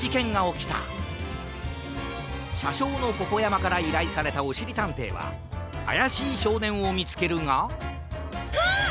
しゃしょうのポポやまからいらいされたおしりたんていはあやしいしょうねんをみつけるがうわっ！